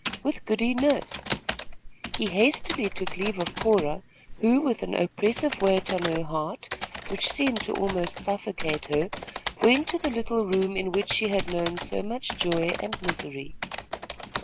"With Goody Nurse." He hastily took leave of Cora, who, with an oppressive weight on her heart, which seemed to almost suffocate her, went to the little room in which she had known so much joy and misery.